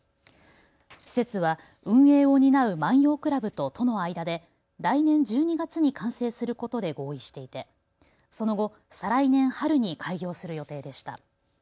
施設は運営を担う万葉倶楽部と都の間で来年１２月に完成することで合意していてその後、再来年春に開業する予定でした。